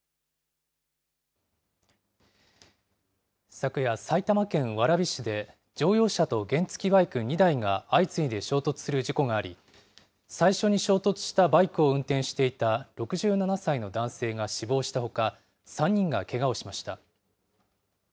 昨夜、埼玉県蕨市で乗用車と原付きバイク２台が相次いで衝突する事故があり、最初に衝突したバイクを運転していた６７歳の男性が死亡したほか、３人がけがをしました。